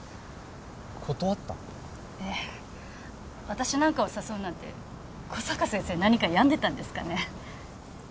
私なんかを誘うなんて小坂先生何か病んでたんですかね。